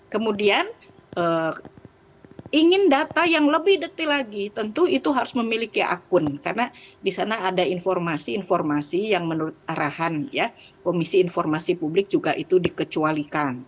kemudian ingin data yang lebih detil lagi tentu itu harus memiliki akun karena di sana ada informasi informasi yang menurut arahan ya komisi informasi publik juga itu dikecualikan